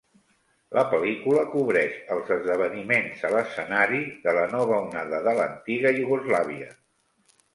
La pel·lícula cobreix els esdeveniments a l'escenari de la Nova Onada de l'antiga Iugoslàvia.